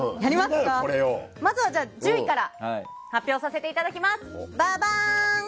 まずは１０位から発表させていただきます。